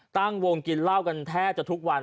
ตั้งวงกินเหล้ากันแทบจะทุกวัน